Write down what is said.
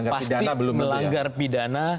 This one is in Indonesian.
pasti melanggar pidana